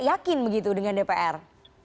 yakin begitu dengan dpr